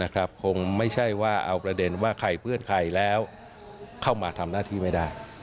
คงไม่ใช่ว่าเอาประเด็นว่าใครเพื่อนใครแล้วเข้ามาทำหน้าที่ไม่ได้